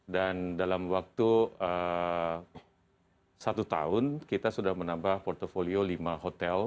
dan dalam waktu satu tahun kita sudah menambah portfolio lima hotel